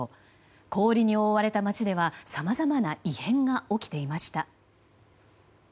氷に覆われた街では、さまざまな異変が起きていました。